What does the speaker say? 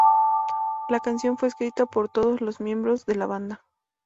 La canción fue escrita por todos los miembros de la banda.